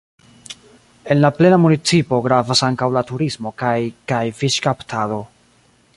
En la plena municipo gravas ankaŭ la turismo kaj kaj fiŝkaptado.